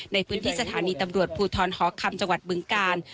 ในพื้นที่สถานีตำรวจภูทรหอคำจังหวัดบึงกาล